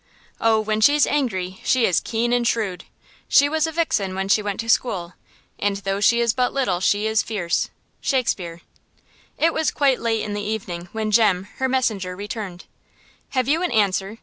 Oh! when she's angry, she is keen and shrewd; She was a vixen when she went to school; And though she is but little she is fierce. –SHAKESPEARE. IT was quite late in the evening when Jem, her messenger, returned. "Have you an answer?"